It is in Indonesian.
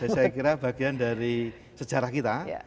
saya kira bagian dari sejarah kita